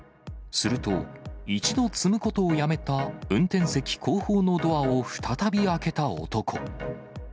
すると、一度積むことをやめた運転席後方のドアを再び開けた男。